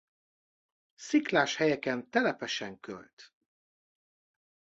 Sziklás helyeken telepesen költ.